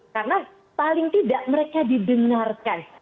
karena paling tidak mereka didengarkan